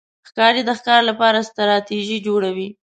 ښکاري د ښکار لپاره ستراتېژي جوړوي.